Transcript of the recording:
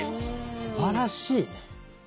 すばらしいね！